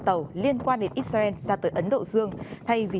tổ chức y tế thế giới who công bố